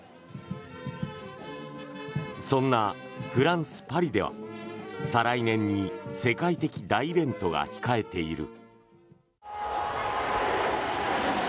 そんなフランス・パリでは再来年に世界的大イベントが控えている。